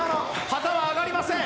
旗は上がりません。